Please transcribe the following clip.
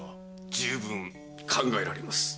充分考えられます。